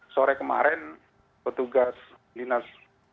sore kemarin petugas dinas